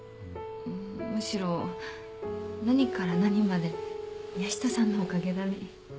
むしろ何から何まで宮下さんのおかげだね。